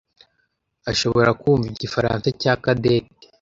ashobora kumva igifaransa cya Cadette.